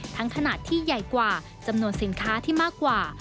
ขนาดที่ใหญ่กว่าจำนวนสินค้าที่มากกว่า